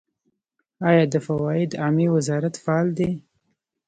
آیا د فواید عامې وزارت فعال دی؟